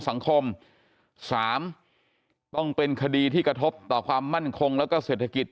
สังคมสามต้องเป็นคดีที่กระทบต่อความมั่นคงแล้วก็เศรษฐกิจ